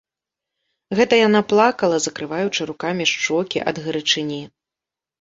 Гэта яна плакала, закрываючы рукамі шчокі ад гарачыні.